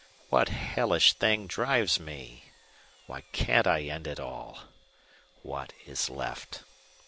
What hellish thing drives me? Why can't I end it all? What is left?